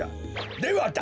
ではだ